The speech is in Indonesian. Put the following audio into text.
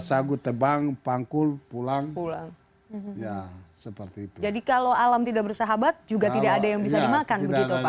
jagu tebang pangkul pulang pulang ya seperti itu jadi kalau alam tidak bersahabat juga tidak ada